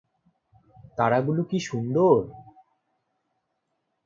তারাগুলো কি সুন্দর!